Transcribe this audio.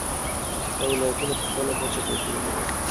دا ولایتونه په خپله کچه توپیرونه لري.